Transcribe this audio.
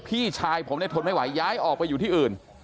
พี่ชายผมเนี่ยทนไม่ไหวย้ายออกไปอยู่ที่อื่น